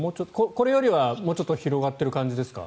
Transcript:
これよりはもうちょっと広がっている感じですか？